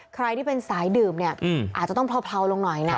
ใครที่เป็นสายดื่มเนี่ยอาจจะต้องเผาลงหน่อยนะ